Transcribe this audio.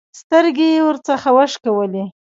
سترګې يې ورڅخه وشکولې.